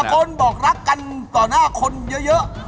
คนบอกรักกันต่อหน้าคนเยอะ